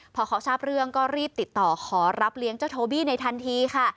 พอเขาทราบเรื่องก็รีบติดต่อขอรับเลี้ยงเจ้าโทบี้ในทันทีค่ะ